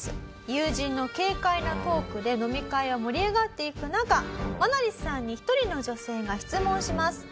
友人の軽快なトークで飲み会は盛り上がっていく中マナリスさんに一人の女性が質問します。